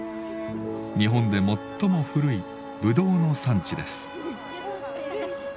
日本で最も古いぶどうの産地です。